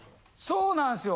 そうなんすよ。